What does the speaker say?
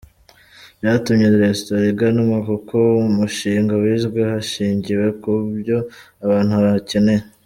Byatumye restaurant iganwa kuko umushinga wizwe hashingiwe ku byo abantu bakeneye.